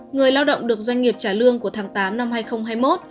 người lao động được doanh nghiệp trả lương của tháng tám năm hai nghìn hai mươi một